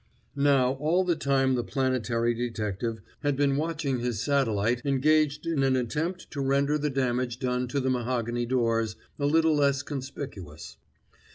Now all the time the planetary detective had been watching his satellite engaged in an attempt to render the damage done to the mahogany doors a little less conspicuous.